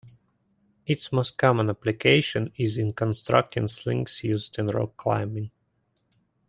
Its most common application is in constructing slings used in rock climbing.